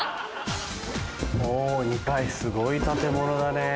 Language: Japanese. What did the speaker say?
お２階すごい建物だねぇ。